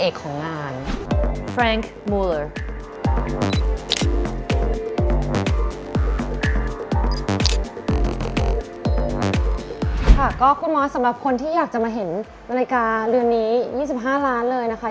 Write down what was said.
ค่ะก็คุณมอสสำหรับคนที่อยากจะมาเห็นนาฬิกาเรือนนี้๒๕ล้านเลยนะคะ